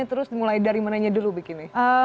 terus dimulai dari mananya dulu bikinnya